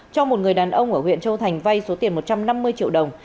cho một người đàn ông ở huyện châu thành vay số tiền một trăm năm mươi triệu đồng